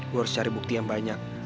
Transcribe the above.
gue harus cari bukti yang banyak